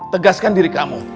tegaskan diri kamu